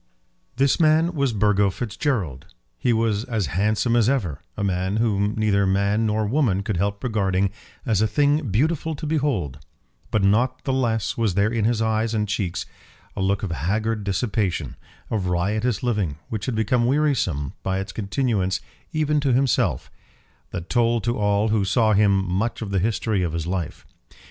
This man was Burgo Fitzgerald. He was as handsome as ever; a man whom neither man nor woman could help regarding as a thing beautiful to behold; but not the less was there in his eyes and cheeks a look of haggard dissipation, of riotous living, which had become wearisome, by its continuance, even to himself, that told to all who saw him much of the history of his life.